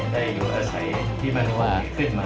ได้อยู่อาศัยที่มั่นคงขึ้นมา